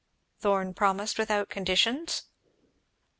"Thorn promised without conditions?"